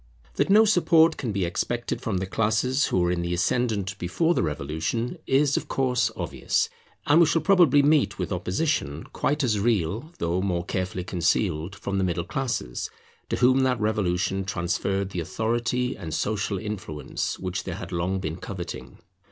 That no support can be expected from the classes who were in the ascendant before the Revolution, is of course obvious; and we shall probably meet with opposition, quite as real though more carefully concealed, from the middle classes, to whom that revolution transferred the authority and social influence which they had long been coveting.